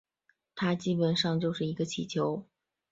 它基本上就是一个气球